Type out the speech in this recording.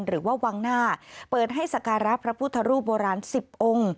หรือว่าวังหน้าเปิดให้สการะพระพุทธรูปโบราณ๑๐องค์